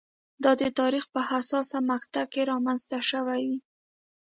دا د تاریخ په حساسه مقطعه کې رامنځته شوې وي.